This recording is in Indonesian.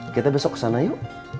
kita besok ke sana yuk